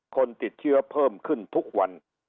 คนติดเชื้อเพิ่มขึ้นทุกวัน